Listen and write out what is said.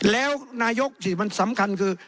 แล้วนายกสิมันสำคัญคือ